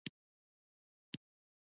فرهنګ له تنه بیماري راوباسي